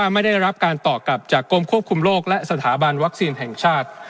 ไม่ได้รับการตอบกลับจากกรมควบคุมโรคและสถาบันวัคซีนแห่งชาติ